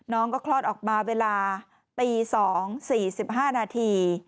น้องก็คลอดออกมาเวลาตี๒๔๕นาที